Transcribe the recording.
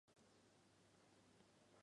在合肥市庐阳区三国遗址公园举行。